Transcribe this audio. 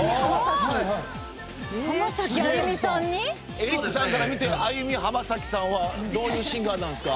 エリックさんから見てアユミ・ハマサキさんはどういうシンガーなんですか？